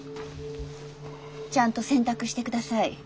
ちゃんと選択してください。